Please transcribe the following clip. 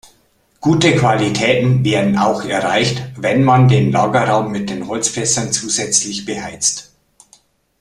Gute Qualitäten werden auch erreicht, wenn man den Lagerraum mit den Holzfässern zusätzlich beheizt.